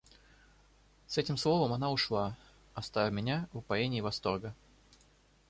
С этим словом она ушла, оставя меня в упоении восторга.